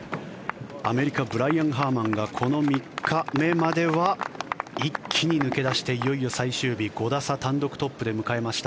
アメリカブライアン・ハーマンがこの３日目までは一気に抜け出していよいよ最終日、５打差単独トップで迎えました。